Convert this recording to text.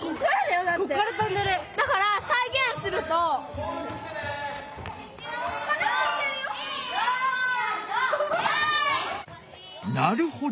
だからさいげんするとなるほど！